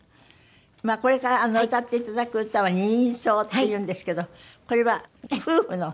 これから歌っていただく歌は『二輪草』っていうんですけどこれは夫婦の？